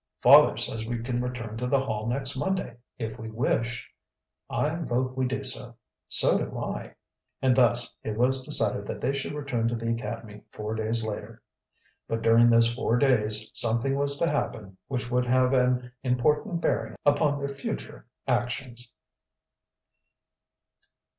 "Father says we can return to the Hall next Monday, if we wish." "I vote we do so." "So do I." And thus it was decided that they should return to the academy four days later. But during those four days something was to happen which would have an important bearing upon their future actions.